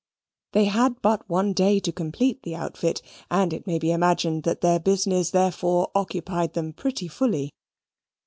They had but one day to complete the outfit, and it may be imagined that their business therefore occupied them pretty fully.